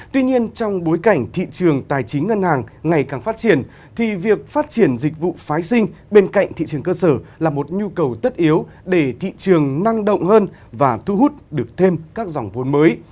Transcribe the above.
tuy nhiên trong bối cảnh thị trường tài chính ngân hàng ngày càng phát triển thì việc phát triển dịch vụ phái sinh bên cạnh thị trường cơ sở là một nhu cầu tất yếu để thị trường năng động hơn và thu hút được thêm các dòng vốn mới